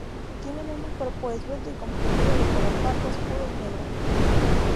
Tienen un cuerpo esbelto y comprimido de color pardo oscuro o negro.